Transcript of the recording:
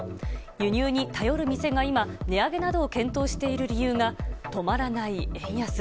輸入に頼る店が今、値上げなどを検討している理由が止まらない円安。